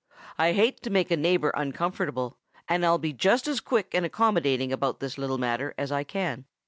I hate to make a neighbor uncomfortable, and I'll be just as quick and accommodating about this little matter as I can.